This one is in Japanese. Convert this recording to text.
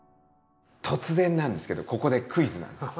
突然なんですけどここでクイズなんです。